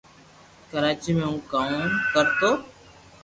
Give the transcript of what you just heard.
ڪراچي مي ھون ڪوم ڪرتو